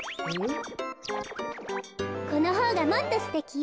このほうがもっとすてきよ。